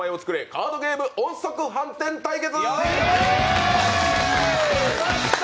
カードゲーム音速飯店対決！